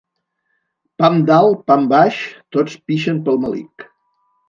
Pam dalt, pam baix, tots pixen pel melic.